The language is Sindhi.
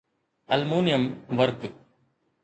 المونيم ورق